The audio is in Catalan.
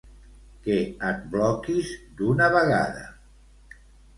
Que et bloquis d'una vegada.